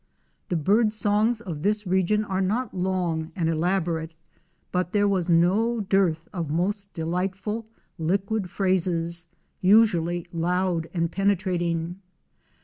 The bird songs of this region are not long and elaborate, but there was no dearth of most delightful, liquid phrases, usually loud and penctrating.